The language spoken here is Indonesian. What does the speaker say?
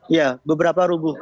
iya beberapa rubuh